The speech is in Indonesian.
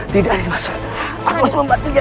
tidak nih mas aku harus membantinya